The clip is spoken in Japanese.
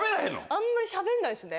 あんまりしゃべんないですね。